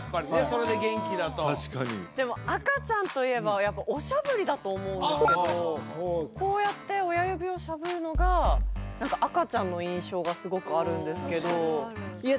それで元気だとでも赤ちゃんといえばやっぱおしゃぶりだと思うんですけどこうやって親指をしゃぶるのが赤ちゃんの印象がすごくあるんですけどいや